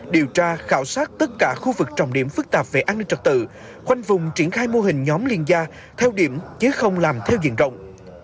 điều tra khảo sát tất cả khu vực trọng điểm phức tạp về an ninh trật tự khoanh vùng triển khai mô hình nhóm liên gia theo điểm chứ không làm theo diện rộng